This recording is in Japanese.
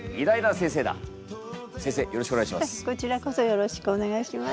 よろしくお願いします。